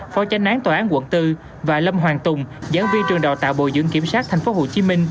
phó tranh án tòa án quận bốn và lâm hoàng tùng giảng viên trường đào tạo bồi dưỡng kiểm sát tp hcm